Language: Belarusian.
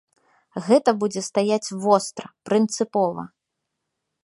Гэта будзе стаяць востра, прынцыпова.